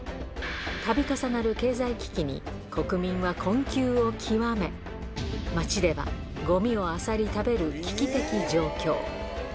たび重なる経済危機に国民は困窮を極め、街ではごみをあさり食べる危機的状況。